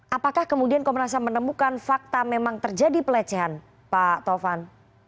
apakah kemudian komnas ham menemukan fakta memang terjadi pelecehan pak taufan